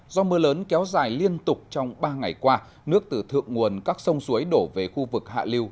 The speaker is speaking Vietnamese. do mưa lớn kéo dài liên tục trong ba ngày qua nước từ thượng nguồn các sông suối đổ về khu vực hạ liêu